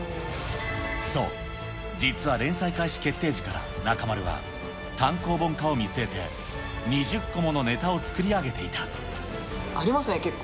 そう、実は連載開始決定時から中丸は単行本化を見据えて、２０個ものネありますね、結構。